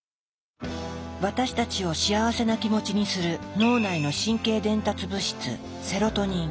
私たちを幸せな気持ちにする脳内の神経伝達物質セロトニン。